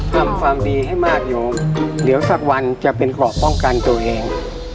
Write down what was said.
ทำความดีให้มากอยู่เดี๋ยวสักวันจะเป็นเกราะป้องกันตัวเอง